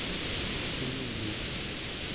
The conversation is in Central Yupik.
iini